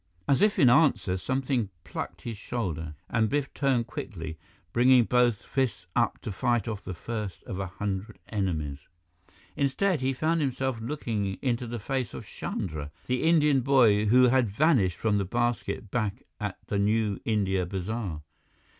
As if in answer, something plucked his shoulder and Biff turned quickly, bringing both fists up to fight off the first of a hundred enemies. Instead, he found himself looking into the face of Chandra, the Indian boy who had vanished from the basket back at the New India Bazaar.